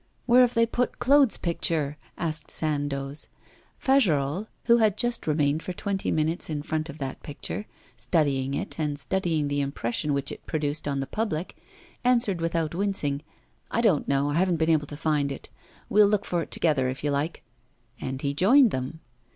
'Where have they put Claude's picture?' asked Sandoz. Fagerolles, who had just remained for twenty minutes in front of that picture studying it and studying the impression which it produced on the public, answered without wincing, 'I don't know; I haven't been able to find it. We'll look for it together if you like.' And he joined them.